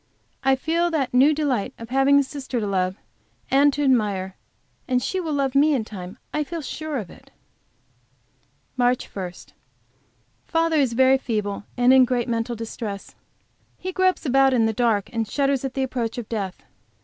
I feel the new delight of having a sister to love and to admire. And she will love me in time; I feel sure of it. MARCH 1. Father is very feeble and in great mental distress. He gropes about in the dark, and shudders at the approach of death.